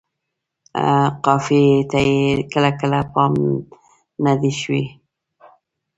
قافیې ته یې کله کله پام نه دی شوی.